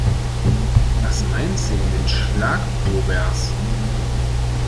Was meint sie mit Schlagobers?